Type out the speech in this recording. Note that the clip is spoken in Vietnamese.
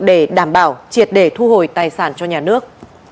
để đảm bảo triệt để thu hồi tài sản cho nhà nước